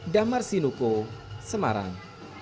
dahmar sinuko semarang